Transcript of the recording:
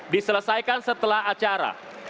diselesaikan setelah acara